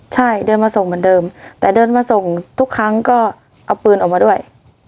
ใช่เดินมาส่งเหมือนเดิมแต่เดินมาส่งทุกครั้งก็เอาปืนออกมาด้วย